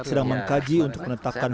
sedang mengkaji untuk menetapkan